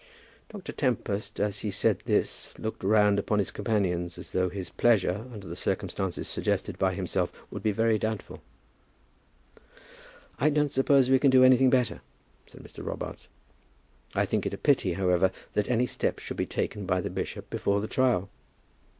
Dr. Tempest, as he said this, looked round upon his companions, as though his pleasure, under the circumstances suggested by himself, would be very doubtful. "I don't suppose we can do anything better," said Mr. Robarts. "I think it a pity, however, that any steps should have been taken by the bishop before the trial."